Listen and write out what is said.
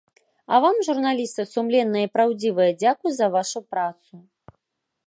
А вам журналісты, сумленныя і праўдзівыя, дзякуй за вашу працу.